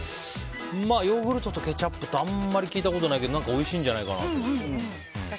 まあ、ヨーグルトとケチャップってあんまり聞いたことないけどおいしいんじゃないかなと。